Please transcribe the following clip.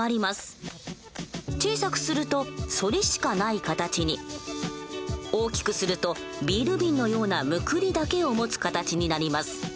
小さくすると「そり」しかない形に。大きくするとビール瓶のような「むくり」だけを持つ形になります。